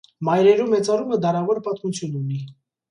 Մայրերու մեծարումը դարաւոր պատմութիւն ունի։